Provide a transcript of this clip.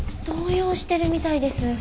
動揺してるみたいです。